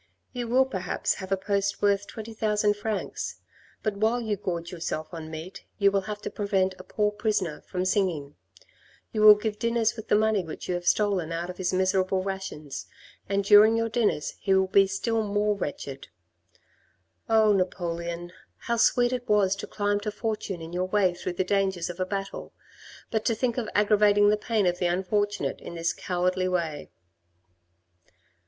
You will, perhaps, have a post worth twenty thousand francs; but while you gorge yourself on meat, you will have to prevent a poor prisoner from singing ; you will give dinners with the money which you have stolen out of his miserable rations and during your dinners he will be still more wretched. Oh, Napoleon, how sweet it was to climb to fortune in your way through the dangers of a battle, but to think of aggravating the pain of the unfortunate in this cowardly way."